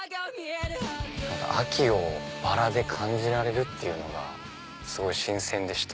秋をバラで感じられるっていうのがすごい新鮮でした。